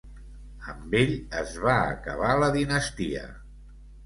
Amb ell es va acabar la dinastia.